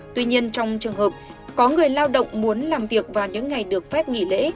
tuy nhiên trong trường hợp có người lao động muốn làm việc vào những ngày được phép nghỉ lễ